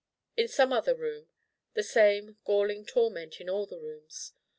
In some other Room the same galling torment in all the Rooms.